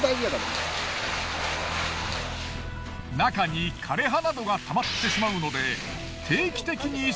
中に枯れ葉などがたまってしまうので。